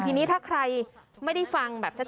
ทีนี้ถ้าใครไม่ได้ฟังแบบชัด